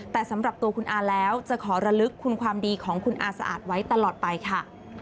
แต่สำหรับตัวคุณอาแล้วจะขอระลึกคุณความดีของคุณอาสะอาดไว้ตลอดไปค่ะ